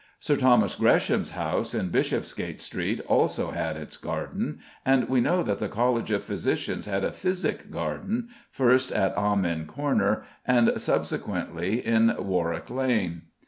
Sir Thomas Gresham's house in Bishopsgate Street also had its garden, and we know that the College of Physicians had a physic garden, first at Amen Corner, and subsequently in Warwick Lane.